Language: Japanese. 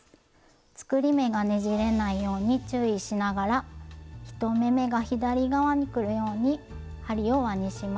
作り目がねじれないように注意しながら１目めが左側にくるように針を輪にします。